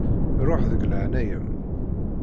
Ruḥ, deg leεnaya-m.